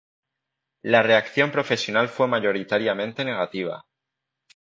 La reacción profesional fue mayoritariamente negativa.